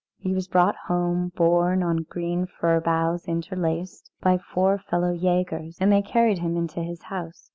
He was brought home borne on green fir boughs interlaced, by four fellow jägers, and they carried him into his house.